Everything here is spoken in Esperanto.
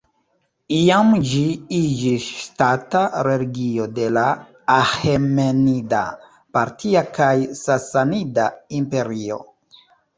Iam ĝi iĝis ŝtata religio de la Aĥemenida, Partia kaj Sasanida Imperio.